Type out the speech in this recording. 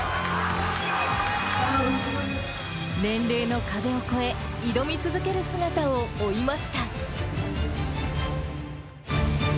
年齢の壁を越え、挑み続ける姿を追いました。